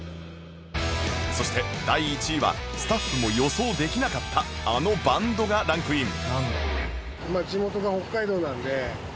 そして第１位はスタッフも予想できなかったあのバンドがランクイン